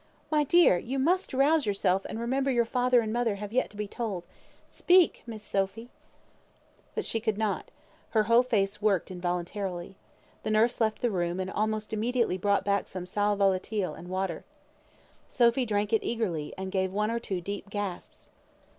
"My dear, you must rouse yourself, and remember your father and mother have yet to be told. Speak! Miss Sophy!" But she could not; her whole face worked involuntarily. The nurse left the room, and almost immediately brought back some sal volatile and water. Sophy drank it eagerly, and gave one or two deep gasps.